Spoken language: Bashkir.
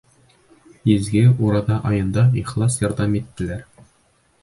Изге Ураҙа айында ихлас ярҙам иттеләр.